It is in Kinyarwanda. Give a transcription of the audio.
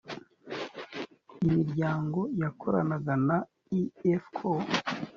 imiryango yakoranaga na ifco